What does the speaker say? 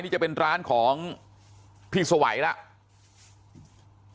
นี่จะเป็นร้านของพี่สวัยแล้ว